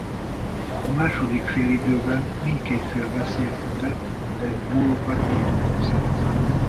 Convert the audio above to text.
A második félidőben mindkét fél veszélyeztetett de gólokat nem tudtak szerezni.